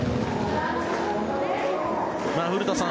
古田さん